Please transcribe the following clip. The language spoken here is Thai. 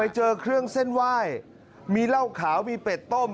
เจอเครื่องเส้นไหว้มีเหล้าขาวมีเป็ดต้ม